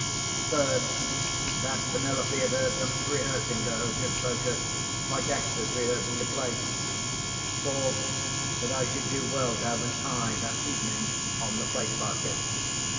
Third, that Penelope had heard them rehearsing their hocus pocus, like actors rehearsing a play. Fourth, that I should do well to have an eye, that evening, on the plate basket.